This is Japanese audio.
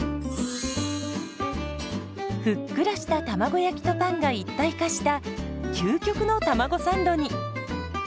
ふっくらした卵焼きとパンが一体化した究極のたまごサンドに。